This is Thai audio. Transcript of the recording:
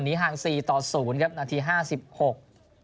ห่างสี่ต่อศูนย์ครับนาทีห้าสิบหก